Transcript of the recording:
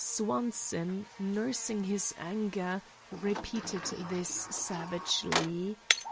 Swanson, nursing his anger, repeated this savagely.